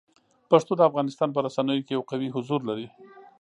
پښتو د افغانستان په رسنیو کې یو قوي حضور لري.